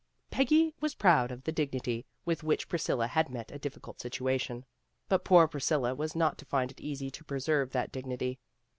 Peggy was proud of the dignity with which Priscilla had met a difficult situation, but poor Priscilla was not to find it easy to preserve that dignity.